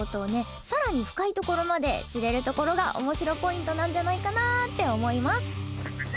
さらに深いところまで知れるところがおもしろポイントなんじゃないかなって思います。